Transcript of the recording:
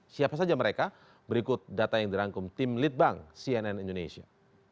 siapa saja mereka berikut data yang dirangkum tim litbang cnn indonesia